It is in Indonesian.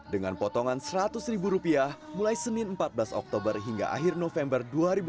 dengan potongan seratus ribu rupiah mulai senin empat belas oktober hingga akhir november dua ribu dua puluh